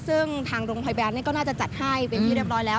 ซึ่งทางโรงพยาบาลก็น่าจะจัดให้เป็นที่เรียบร้อยแล้ว